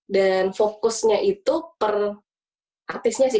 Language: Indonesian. dan fokusnya itu per artisnya sih